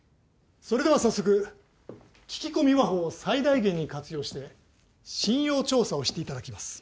それでは早速聞き込み話法を最大限に活用して信用調査をしていただきます。